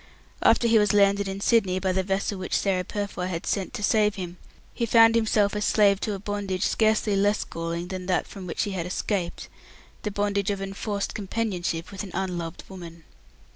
After he was landed in Sydney, by the vessel which Sarah Purfoy had sent to save him, he found himself a slave to a bondage scarcely less galling than that from which he had escaped the bondage of enforced companionship with an unloved woman.